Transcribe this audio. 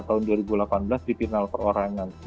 tahun dua ribu delapan belas di final perorangan